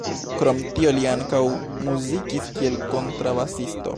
Krom tio li ankaŭ muzikis kiel kontrabasisto.